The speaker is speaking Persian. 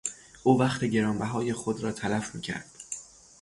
او وقت گرانبهای خود را تلف میکرد.